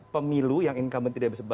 pemilu yang incumbent tidak